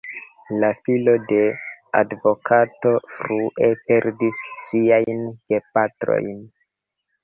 La filo de advokato frue perdis siajn gepatrojn.